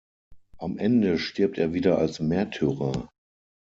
Am Ende stirbt er wieder als Märtyrer.